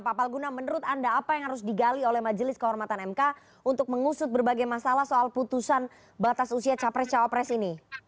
pak palguna menurut anda apa yang harus digali oleh majelis kehormatan mk untuk mengusut berbagai masalah soal putusan batas usia capres cawapres ini